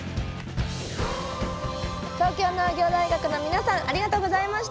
東京農業大学の皆さんありがとうございました！